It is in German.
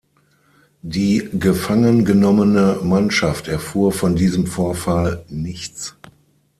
Die gefangengenommene Mannschaft erfuhr von diesem Vorfall nichts.